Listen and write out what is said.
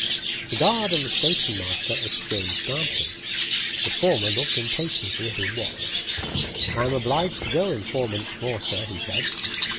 The guard and the station master exchanged glances. The former looked impatiently at his watch. "I am obliged to go on in four minutes more sir," he said.